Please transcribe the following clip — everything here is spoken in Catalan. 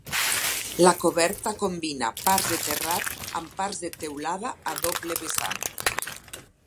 La coberta combina parts de terrat amb parts de teulada a doble vessant.